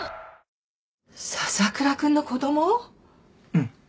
うん。